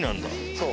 そう。